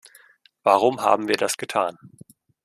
Warum haben wir das getan?